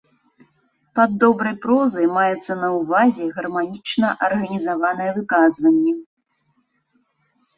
Пад добрай прозай маецца на ўвазе гарманічна арганізаванае выказванне.